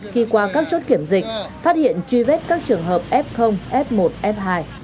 khi qua các chốt kiểm dịch phát hiện truy vết các trường hợp f f một f hai